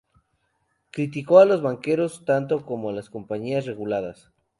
Criticó a los banqueros tanto como a las Compañías Reguladas.